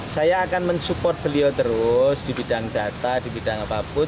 saya akan mensupport beliau terus di bidang data di bidang apapun